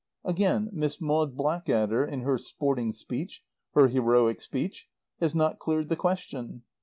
"Again, Miss Maud Blackadder, in her sporting speech, her heroic speech, has not cleared the question.